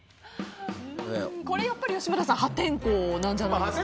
やっぱりこれは吉村さん破天荒なんじゃないですか？